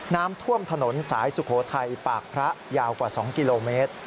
น้ำท่วมถนนสายสุโขทัยปากพระยาวกว่า๒กิโลเมตร